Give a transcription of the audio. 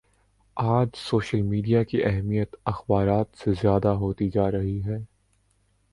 آج social media کی اہمیت اخبارات سے زیادہ ہوتی جا رہی ہے